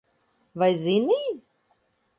Vai zini?